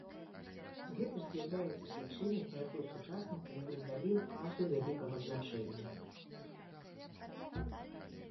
Гэта ж з'яўляецца прычынай, па якой сучаснікі не надалі ўказу вялікага значэння.